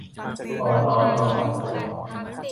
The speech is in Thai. ปตท